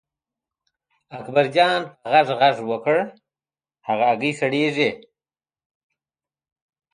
اکبرجان په غږ غږ وکړ هغه هګۍ سړېږي.